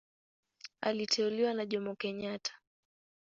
Aliteuliwa na Jomo Kenyatta.